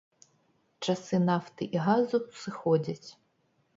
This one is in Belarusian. Часы нафты і газу сыходзяць.